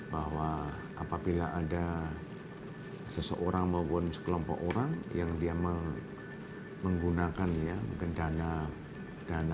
bahwa apabila ada seseorang maupun sekelompok orang yang dia menggunakan ya mungkin dana dana dari apbni dana negara